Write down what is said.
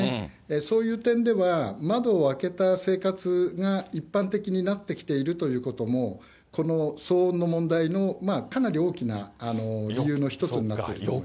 そういう点では、窓を開けた生活が一般的になってきているということも、この騒音の問題のかなり大きな理由の一つになっていると思います。